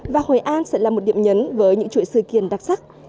và hội an sẽ là một điểm nhấn với những chuỗi sự kiện đặc sắc